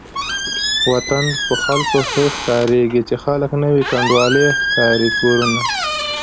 وطن په خلکو ښه ښکاريږي چې خلک نه وي کنډوالې ښکاري کورونه